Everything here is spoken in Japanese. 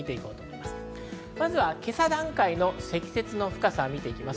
まずは今朝段階の積雪の深さを見ていきます。